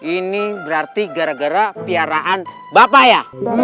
ini berarti gara gara piaraan bapak ya